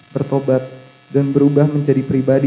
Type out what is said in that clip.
bertobat dan berubah menjadi pribadi